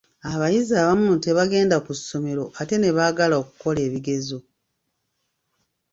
Abayizi abamu tebagenda ku ssomero ate ne baagala okukola ebigezo.